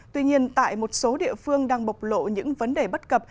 tuy nhiên tại một số địa phương đang bộc lộ những vấn đề bất cập